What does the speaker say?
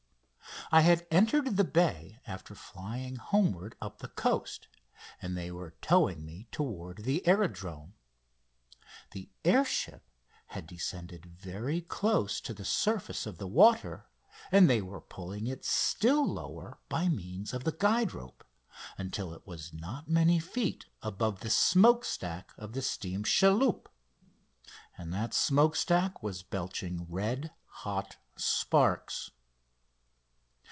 I had entered the bay after flying homeward up the coast, and they were towing me toward the aerodrome. The air ship had descended very close to the surface of the water, and they were pulling it still lower by means of the guide rope, until it was not many feet above the smoke stack of the steam chaloupe and that smoke stack was belching red hot sparks.